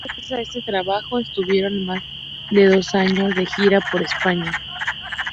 Gracias a este trabajo estuvieron más de dos años de gira por toda España.